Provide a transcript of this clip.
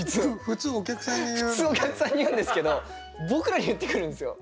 普通お客さんに言うんですけど僕らに言ってくるんですよ。